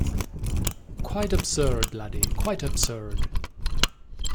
Quite absurd, laddie — quite absurd.